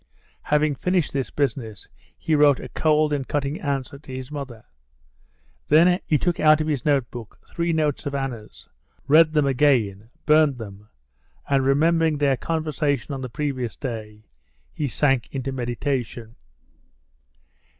Having finished this business, he wrote a cold and cutting answer to his mother. Then he took out of his notebook three notes of Anna's, read them again, burned them, and remembering their conversation on the previous day, he sank into meditation.